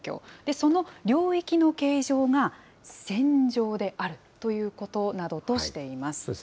その領域の形状が線状であるということなどとしています。